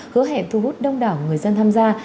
hứa hẹn thu hút đông đảo người dân tham gia